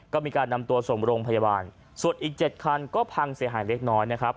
ก็มีการนำตัวส่งโรงพยาบาลส่วนอีก๗คันก็พังเสียหายเล็กน้อยนะครับ